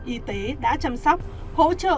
y tế đã chăm sóc hỗ trợ